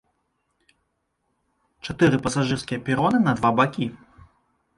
Чатыры пасажырскія пероны на два бакі.